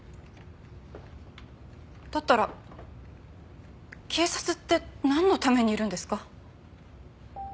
だったら警察ってなんのためにいるんですか？